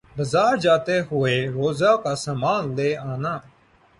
بازار جاتے ہوئے روزہ کا سامان لے آنا